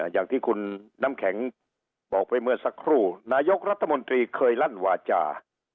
อย่างที่คุณน้ำแข็งบอกไปเมื่อสักครู่นายกรัฐมนตรีเคยลั่นวาจา